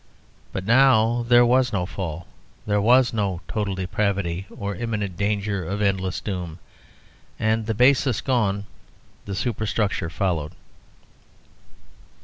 But now there was no Fall; there was no total depravity, or imminent danger of endless doom; and, the basis gone, the superstructure followed."